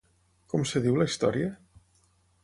Com es diu la història?